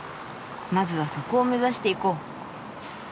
まずはそこを目指して行こう。